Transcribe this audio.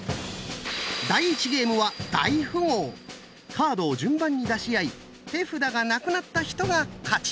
カードを順番に出し合い手札がなくなった人が勝ち！